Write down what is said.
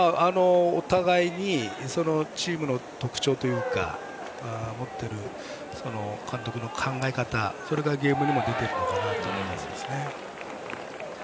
お互いにチームの特徴というか持っている監督の考え方がゲームにも出てくるかなと思います。